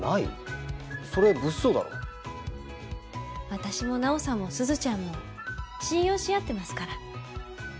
私もナオさんもすずちゃんも信用し合ってますから。